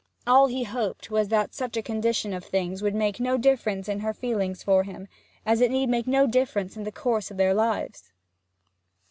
All he hoped was that such a condition of things would make no difference in her feelings for him, as it need make no difference in the course of their lives.